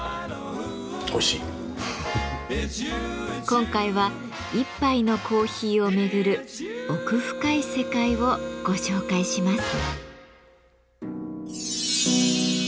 今回は一杯のコーヒーを巡る奥深い世界をご紹介します。